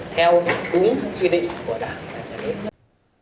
theo đúng quy định của đảng